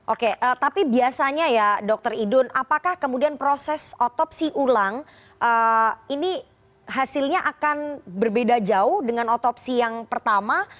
oke tapi biasanya ya dr idun apakah kemudian proses otopsi ulang ini hasilnya akan berbeda jauh dengan otopsi yang pertama